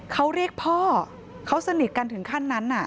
เขาเรียกพ่อเขาสนิทกันถึงขั้นนั้น